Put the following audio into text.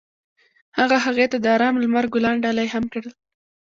هغه هغې ته د آرام لمر ګلان ډالۍ هم کړل.